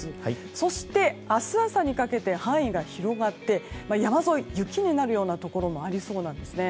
そして、明日朝にかけて範囲が広がって山沿い、雪になるようなところもありそうなんですね。